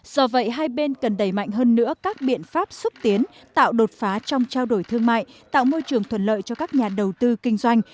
do vậy hai bên cần đẩy mạnh hơn nữa các biện pháp xúc tiến tạo đột phá trong trao đổi thương mại tạo môi trường thuận lợi cho các nhà đầu tư kinh doanh